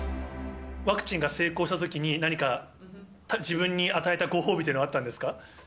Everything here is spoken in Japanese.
ワクチンが成功したときに、何か自分に与えたご褒美っていうのはあったんですか？